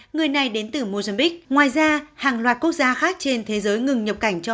người này đến từ mozambique ngoài ra hàng loạt quốc gia khác trên thế giới ngừng nhập cảnh cho